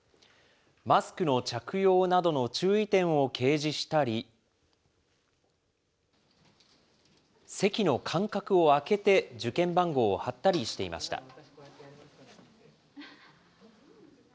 マスクの着用などの注意点を掲示したり、席の間隔を空けて、受験番号を貼ったりしていました。